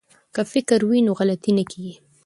که فکر وي نو غلطي نه کیږي.